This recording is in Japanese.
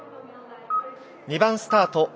２番スタート